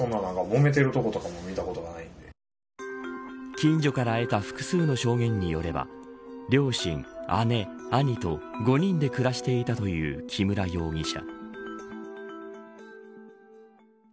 近所から得た複数の証言によれば両親、姉、兄と５人で暮らしていたという木村容疑者。